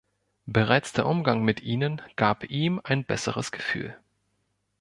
Bereits der Umgang mit ihnen gab ihm ein besseres Gefühl.